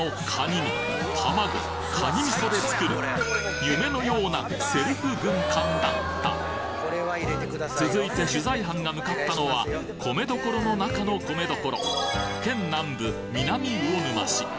身卵蟹味噌でつくる夢のようなセルフ軍艦だった続いて取材班が向かったのは米どころの中の米どころ県南部南魚沼市